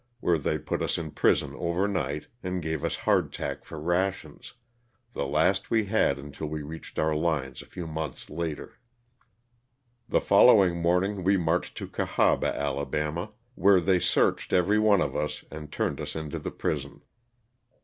where they put us in prison over night and gave us hard tack for rations, the last we had until we reached our lines a few months later. The following morning we marched to Cahaba, Ala., where they searched every one of us and turned us into the prison.